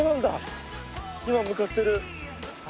今向かってる。